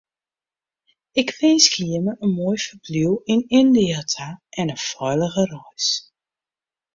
Ik winskje jimme in moai ferbliuw yn Yndia ta en in feilige reis.